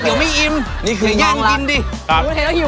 เฮ้ยข้าวเตี๋ยวไม่อิ่มอย่างกินดิหูเห็นแล้วหิวแล้วเนี่ยนี่คือยังรัก